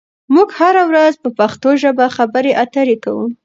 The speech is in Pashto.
موږ هره ورځ په پښتو ژبه خبرې اترې کوو.